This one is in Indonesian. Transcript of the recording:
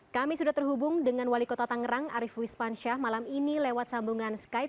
kami sudah terhubung dengan wali kota tangerang arief wismansyah malam ini lewat sambungan skype